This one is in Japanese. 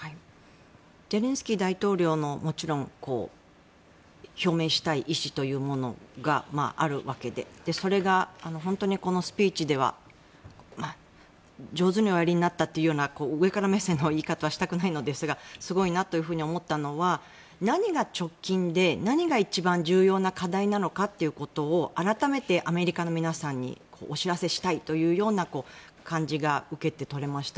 ゼレンスキー大統領のもちろん表明した意思というものがあるわけでそれが本当にこのスピーチでは上手におやりになったというような上から目線の言い方はしたくないのですがすごいなと思ったのは何が直近で、何が一番重要な課題なのかということを改めてアメリカの皆さんにお知らせしたいというような感じが受けて取れました。